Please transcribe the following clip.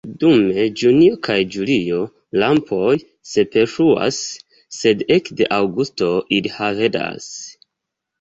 Dum junio kaj julio lampoj superfluas, sed ekde aŭgusto ili havendas.